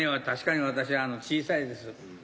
確かに私は小さいです。